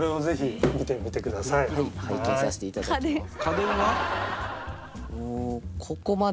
はい拝見させていただきます。